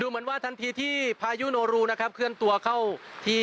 เหมือนว่าทันทีที่พายุโนรูนะครับเคลื่อนตัวเข้าที่